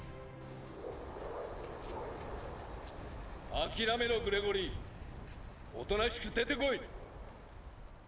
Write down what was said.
諦めろグレゴリーおとなしく出てこい！